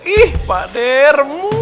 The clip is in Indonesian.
ih pak d remu